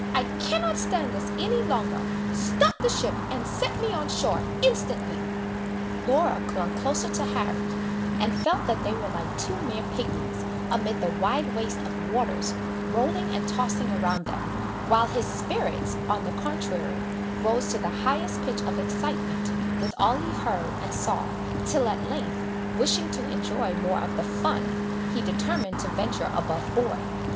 I cannot stand this any longer! Stop the ship, and set me on shore instantly!" Laura clung closer to Harry, and felt that they were like two mere pigmies, amid the wide waste of waters, rolling and tossing around them, while his spirits, on the contrary, rose to the highest pitch of excitement with all he heard and saw, till at length, wishing to enjoy more of the "fun," he determined to venture above board.